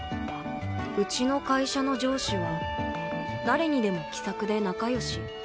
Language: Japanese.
うちの会社の上司は誰にでも気さくで仲良し